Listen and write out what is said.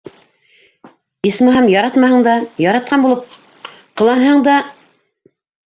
Исмаһам, яратмаһаң да... яратҡан булып ҡыланһаң да!